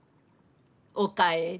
お帰り。